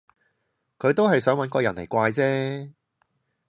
佢都係想搵個人嚟怪啫